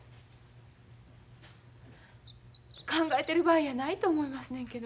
考えてる場合やないと思いますねんけど。